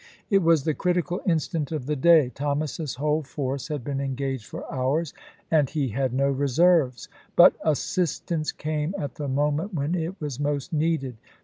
It was the critical instant of the day. Thomas's whole force had been engaged for hours, and he had no reserves. But assistance came at the moment when it was most needed.